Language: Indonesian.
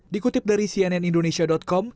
dikutip dari cnnindonesia com